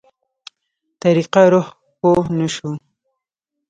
طريقه روح پوه نه شو.